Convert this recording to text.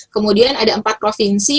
kemudian ada empat provinsi